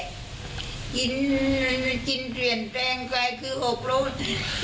กินเตือนแปงไก่คือหกรุง